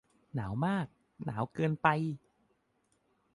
หนาวมาก หนาวเกินไป